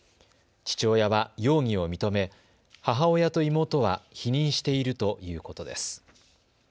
父親は容疑を認め母親と妹は否認しているということです。